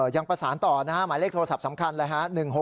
ยังประสานต่อนะฮะหมายเลขโทรศัพท์สำคัญเลยฮะ